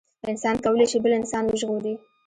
انسان کولي شي بل انسان وژغوري